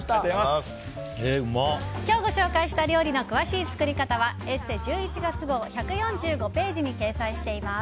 今日ご紹介した料理の詳しい作り方は「ＥＳＳＥ」１１月号１４５ページに掲載しています。